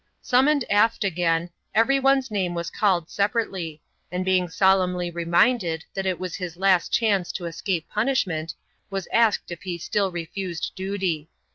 Summoned aft again, everyone's name was called separately; and being solemnly reminded that it was his last chance to escape punishment, was asked if he still refused duty.